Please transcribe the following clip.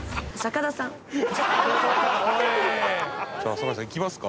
坂井さん行きますか？